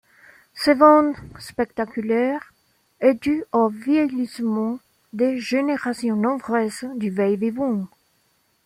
Ce bond spectaculaire est dû au vieillissement des générations nombreuses du baby-boom.